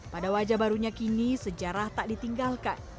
pada wajah barunya kini sejarah tak ditinggalkan